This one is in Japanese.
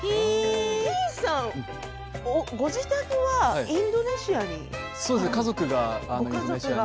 ディーンさん、ご自宅はインドネシアに？